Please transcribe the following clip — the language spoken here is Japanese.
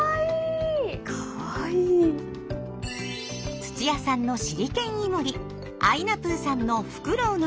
土屋さんのシリケンイモリあいなぷぅさんのフクロウの顔